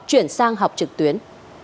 chuyển sang học trực tuyến